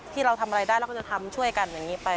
ที่เราทำอะไรได้เราก็จะทำช่วยกันอย่างนี้ไป